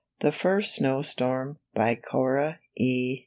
THE FIRST SNOW STORM. BY CORA E.